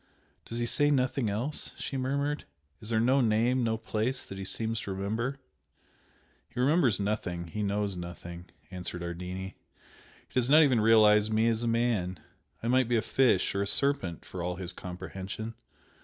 "Does he say nothing else?" she murmured "Is there no name no place that he seems to remember?" "He remembers nothing he knows nothing" answered Ardini "He does not even realize me as a man I might be a fish or a serpent for all his comprehension.